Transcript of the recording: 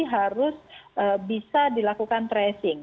harus bisa dilakukan tracing